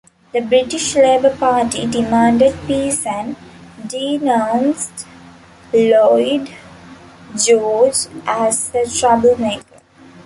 The British Labour Party demanded peace and denounced Lloyd George as a troublemaker.